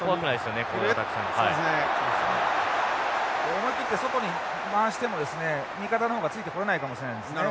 思い切って外に回してもですね味方の方がついてこれないかもしれないですね。